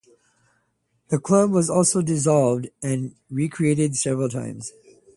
The club was also dissolved and recreated several times.